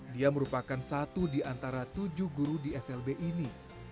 dia merupakan satu di antara tujuh guru di slb ini